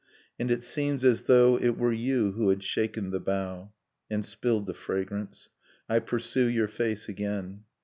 And it seems as though it were you who had shaken the bough. And spilled the fragrance — I pursue your face again.